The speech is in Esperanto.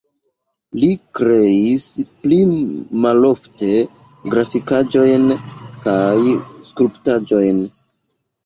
Li kreis pli malofte grafikaĵojn kaj skulptaĵojn.